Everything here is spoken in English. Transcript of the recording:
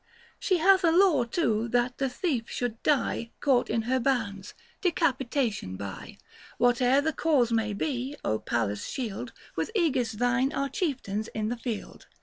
She hath a law too that the thief should die Caught in her bounds — decapitation by. Whate'er the cause may be, Pallas shield 905 With iEgis thine our chieftains in the field.